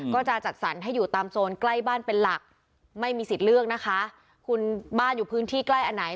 ก็จะจัดสรรให้อยู่ตามโซนใกล้บ้านเป็นหลักไม่มีสิทธิ์เลือกนะคะคุณบ้านอยู่พื้นที่ใกล้อันไหน